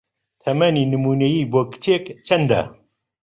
تەمەنی نموونەیی بۆ کچێک چەندە؟